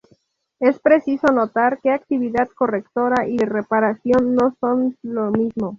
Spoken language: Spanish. Es preciso notar que actividad correctora y de reparación no son lo mismo.